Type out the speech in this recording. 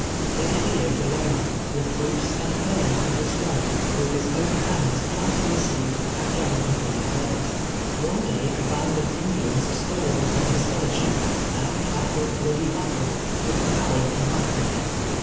Jlere he lived alone — recluse and her mit of the swamp — with his own hands planlin<^ the seed and i^atherino; in the harvest. One day a band of Indians stole n])on his solitude, and after a bloody battle, overpowered and massacred him.